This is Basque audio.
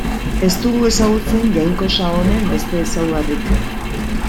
Ez dugu ezagutzen jainkosa honen beste ezaugarrik.